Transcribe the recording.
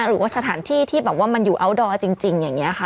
หรือว่าสถานที่ที่แบบว่ามันอยู่อัลดอร์จริงอย่างนี้ค่ะ